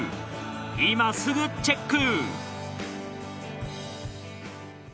今すぐチェック！